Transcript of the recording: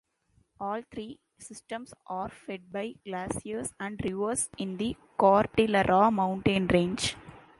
All three systems are fed by glaciers and rivers in the Cordillera mountain range.